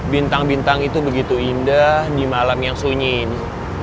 bintang bintang itu begitu indah di malam yang sunyi ini